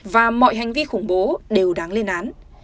và mọi hành vi khủng bố đều đáng lên án